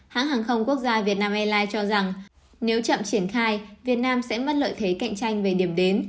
hãng hàng không quốc gia việt nam airlines cho rằng nếu chậm triển khai việt nam sẽ mất lợi thế cạnh tranh về điểm đến